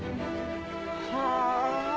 はあ。